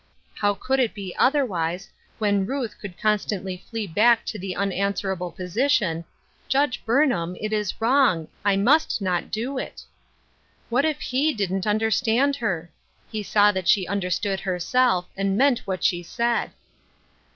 How could it be other wise, when Ruth could constantly flee back to that unanswerable position —" Judge Burn ham, it is wrong ; I must not do it ?" What if he didn't understand her ? He saw that she Duty's Burden, 26" understood herself, and meant what she said.